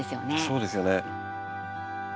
そうですよね。